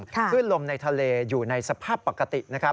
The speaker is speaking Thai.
คลื่นลมในทะเลอยู่ในสภาพปกตินะครับ